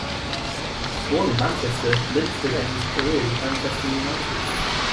Born in Manchester, Lynch began his career with Manchester United.